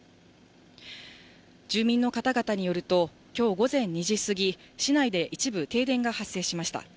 住民の方々によると、きょう午前２時過ぎ、市内で一部停電が発生しました。